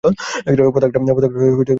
পতাকাটা তার কথা মনে করিয়ে দেয়।